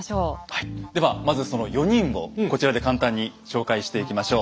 はいではまずその４人をこちらで簡単に紹介していきましょう。